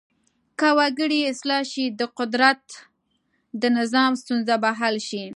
که وګړي اصلاح شي د قدرت د نظام ستونزه به حل شي.